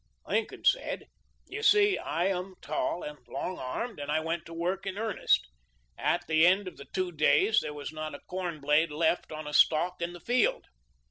Lincoln said, " You see, I am tall and long armed, and I went to work in earnest. At the end of the two days there was not a corn blade left on a stalk in the field.